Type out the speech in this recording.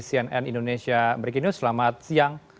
cnn indonesia breaking news selamat siang